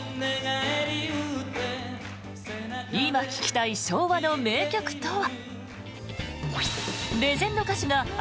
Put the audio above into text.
今聴きたい昭和の名曲とは？